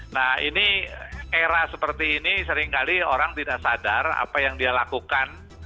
nah ini era seperti ini seringkali orang tidak sadar apa yang dia lakukan